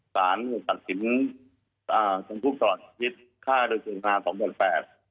๒สารตัดสินสมพุทธรรมคิดฆ่าโดยเฉพาะภาค๒๘๘